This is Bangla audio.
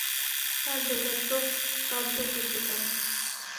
তার দৌরাত্ম স্তব্ধ করে দিতাম।